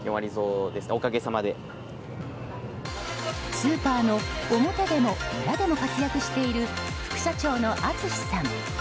スーパーの表でも裏でも活躍している、副社長の温史さん。